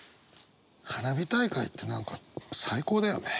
花火大会って何か最高だよね。